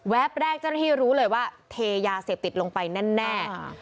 แว๊บแรกจะได้ที่รู้เลยว่าเทยาเสพติดลงไปแน่